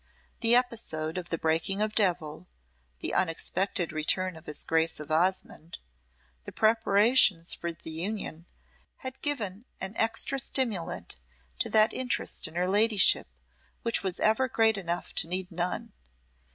The episode of the breaking of Devil, the unexpected return of his Grace of Osmonde, the preparations for the union, had given an extra stimulant to that interest in her ladyship which was ever great enough to need none.